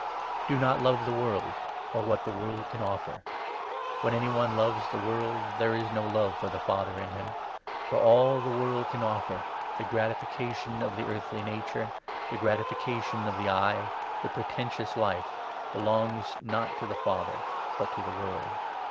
Do not love the 15 world or what the world can offer. When any one loves the world, there is no love for the Father in him ; for all that the 16 world can offer — the gratification of the earthly nature, the gratification of the eye, the pretentious life — belongs, not to the Father, but to the world.